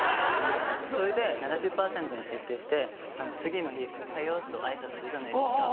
それで７０％に設定して次の日おはようと挨拶するじゃないですか。